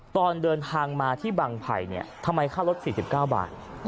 ตอนเดินทางมาที่บังไผ่ทำไมค่ารถ๔๙บาท